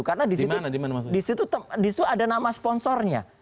karena disitu ada nama sponsornya